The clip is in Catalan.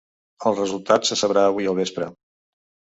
El resultat se sabrà avui al vespre.